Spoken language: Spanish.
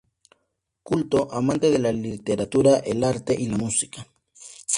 Culto, amante de la literatura, el arte y la música.